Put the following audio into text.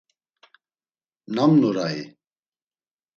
Nam Nurayi?